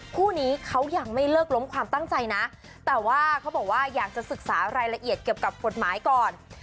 คู่นี้เขายังไม่เลิกล้มความตั้งใจนะแต่ว่าเขาบอกว่าอยากจะศึกษารายละเอียดเกี่ยวกับกฎหมายก่อน